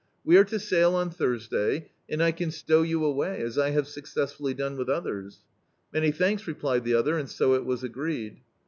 We are to sail on Thurs day, and I can stow you away, as I have success fully done with others." "Many thanks," replied the other, and so it was agreed.